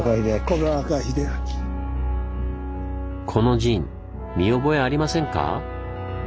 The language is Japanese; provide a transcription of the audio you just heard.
この陣見覚えありませんか？